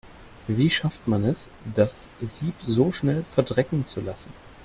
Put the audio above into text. Wie schafft man es, das Sieb so schnell verdrecken zu lassen?